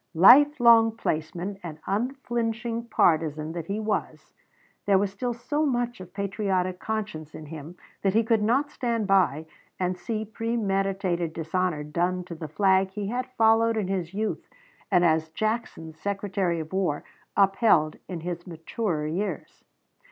Life long placeman and unflinching partisan that he was, there was still so much of patriotic conscience in him that he could not stand by and see premeditated dishonor done to the flag he had followed in his youth and as Jackson's Secretary of War upheld in his maturer years.